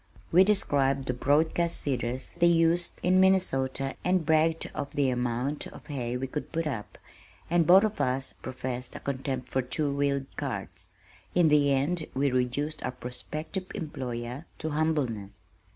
We described the broadcast seeders they used in Minnesota and bragged of the amount of hay we could put up, and both of us professed a contempt for two wheeled carts. In the end we reduced our prospective employer to humbleness.